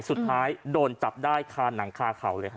สุดท้ายโดนจับได้ค่านังฆ่าเขาเลยค่ะ